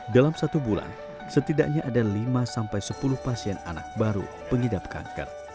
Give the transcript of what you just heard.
dalam satu bulan setidaknya ada lima sampai sepuluh pasien anak baru pengidap kanker